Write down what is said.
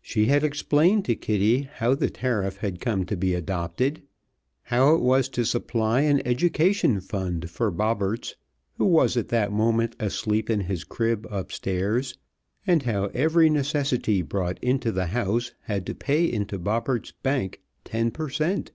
She had explained to Kitty how the tariff had come to be adopted, how it was to supply an education fund for Bobberts who was at that moment asleep in his crib, upstairs and how every necessity brought into the house had to pay into Bobberts' bank ten per cent.